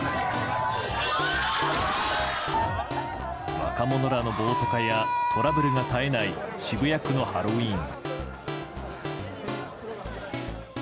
若者らの暴徒化やトラブルが絶えない渋谷区のハロウィーン。